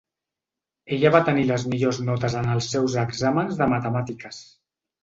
Ella va tenir les millors notes en els seus exàmens de matemàtiques.